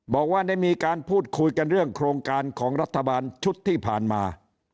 บอกว่าได้มีการพูดคุยกันเรื่องโครงการของรัฐบาลชุดที่ผ่านมา